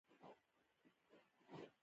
د ځان وژلو په نيت به يې دومره ترياک وخوړل.